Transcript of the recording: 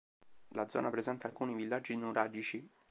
La zona presenta alcuni villaggi nuragici.